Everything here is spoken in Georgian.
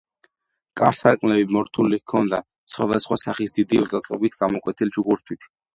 კარ-სარკმლები მორთული ჰქონდა სხვადასხვა სახის დიდი ოსტატობით გამოკვეთილი ჩუქურთმით.